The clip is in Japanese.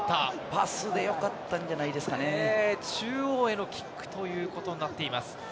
パスでよかったんじゃないで中央へのキックということになっています。